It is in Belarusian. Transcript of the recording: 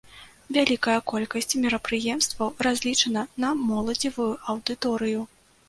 Вялікая колькасць мерапрыемстваў разлічана на моладзевую аўдыторыю.